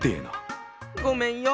ごめんよ